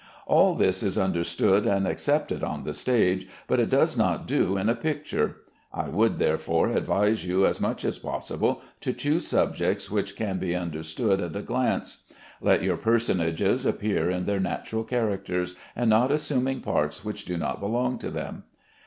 All this is understood and accepted on the stage, but it does not do in a picture. I would, therefore, advise you as much as possible to choose subjects which can be understood at a glance. Let your personages appear in their natural characters, and not assuming parts which do not belong to them.